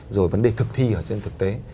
rồi vấn đề thực thi ở trên thực tế